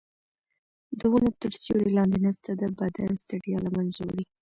د ونو تر سیوري لاندې ناسته د بدن ستړیا له منځه وړي.